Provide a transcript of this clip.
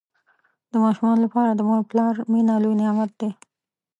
د ماشومانو لپاره د مور او پلار مینه لوی نعمت دی.